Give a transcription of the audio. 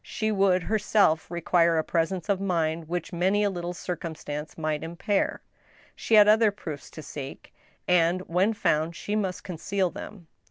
She would herself require a presence of mind which many a little circumstance might impair. She had other proofs to seek, and, when found, she must conceal them.